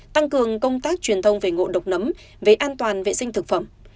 tăng cường công tác truyền thông về ngộ độc nấm về an toàn vệ sinh thực phẩm